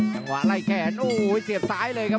จังหวะไล่แขนโอ้โหเสียบซ้ายเลยครับ